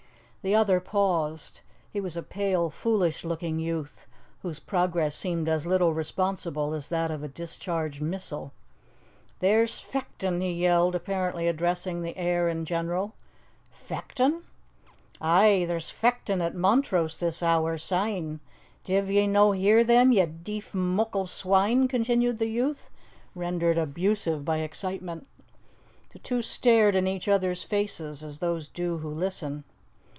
The other paused. He was a pale, foolish looking youth, whose progress seemed as little responsible as that of a discharged missile. "There's fechtin'!" he yelled, apparently addressing the air in general. "Fechtin'?" "Ay, there's fechtin' at Montrose this hour syne! Div ye no hear them, ye deef muckle swine?" continued the youth, rendered abusive by excitement. The two stared in each other's faces as those do who listen.